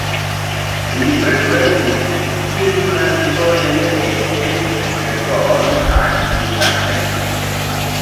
Li frekventis gimnaziojn en Esztergom kaj Budapeŝto.